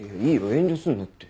遠慮すんなって。